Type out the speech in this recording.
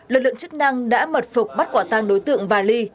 lực lượng chức năng đã mật phục bắt quả tăng đối tượng và ly